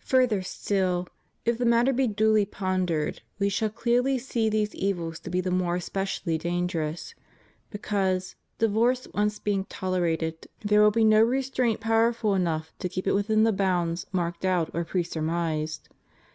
Further still, if the matter be duly pondered, we shall clearly see these evils to be the more especially dangerous, because, divorce once being tolerated, there will be no restraint powerful enough to keep it within the bounds marked out or presurmised.